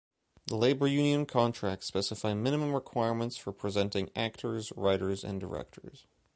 The labor union contracts specify minimum requirements for presenting actors, writers and directors.